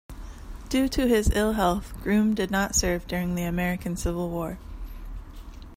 Due to his ill health, Groome did not serve during the American Civil War.